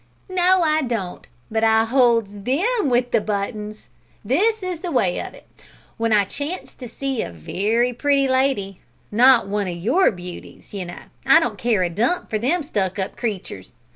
"No, I don't; but I holds them wi' the buttons. This is the way of it. W'en I chance to see a wery pretty lady not one o' your beauties, you know; I don't care a dump for them stuck up creatures!